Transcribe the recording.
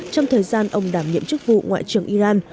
trong thời gian ông đảm nhiệm chức vụ ngoại trưởng iran